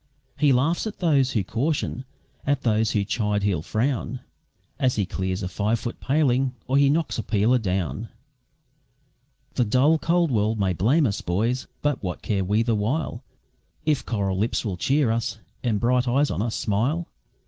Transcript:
He laughs at those who caution, at those who chide he'll frown, As he clears a five foot paling, or he knocks a peeler down. The dull, cold world may blame us, boys! but what care we the while, If coral lips will cheer us, and bright eyes on us smile?